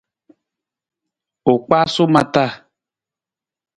U kpaasu ma taa.